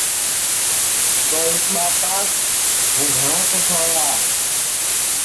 تو اِس ٻاتاس ہوں گھٹؔا کُھس ہویا